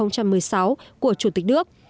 của chủ tịch nước